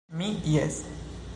Mi, jes.